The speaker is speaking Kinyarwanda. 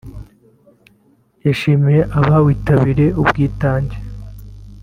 yashimiye abawitabiriye ubwitange